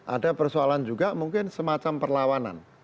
ada persoalan juga mungkin semacam perlawanan